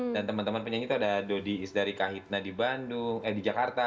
dan teman teman penyanyi itu ada dodi is dari kahitna di jakarta